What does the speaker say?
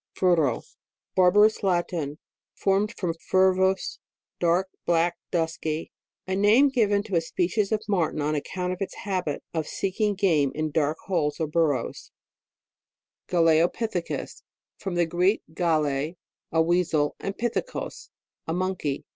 FURO. Barbarous Latin, formed from furvus, dark, black, dusky. A name given to a species of marten on ac count of its habit of seeking game in dark holes or burrows. MAMMALOGY: GLOSSARY. 143 GALEOPITHECUS. From the Greek, gale, a weasel, and pithekos, a mon key.